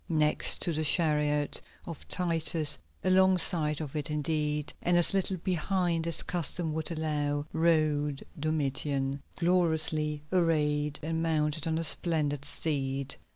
Next to the chariot of Titus, alongside of it indeed, and as little behind as custom would allow, rode Domitian, gloriously arrayed and mounted on a splendid steed.